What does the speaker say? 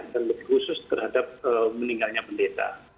dan khusus terhadap meninggalnya pendeta